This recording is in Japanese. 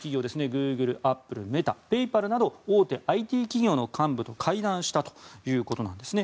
グーグル、アップルメタ、Ｐａｙｐａｌなど大手ＩＴ企業の幹部と会談したということなんですね。